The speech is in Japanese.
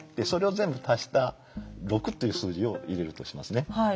それを全部足した６という数字を入れるとしますね。